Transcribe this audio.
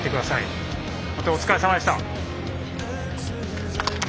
本当お疲れさまでした。